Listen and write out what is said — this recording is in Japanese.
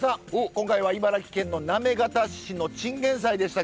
今回は茨城県の行方市のチンゲンサイでしたけど。